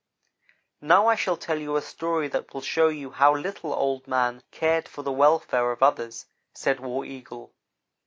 "Now I shall tell you a story that will show you how little Old man cared for the welfare of others," said War Eagle.